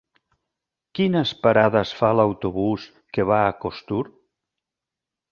Quines parades fa l'autobús que va a Costur?